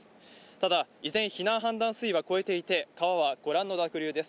ただ依然、避難判断水位は超えていて川はご覧の濁流です。